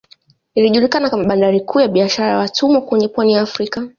Ilijulikana kama bandari kuu ya biashara ya watumwa kwenye pwani ya Afrika